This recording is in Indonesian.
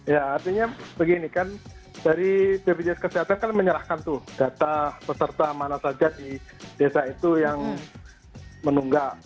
ya artinya begini kan dari bpjs kesehatan kan menyerahkan tuh data peserta mana saja di desa itu yang menunggak